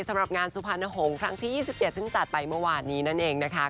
สำหรับงานสุพรรณหงษ์ครั้งที่๒๗ซึ่งจัดไปเมื่อวานนี้นั่นเองนะคะ